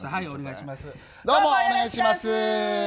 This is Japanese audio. どうもお願いします。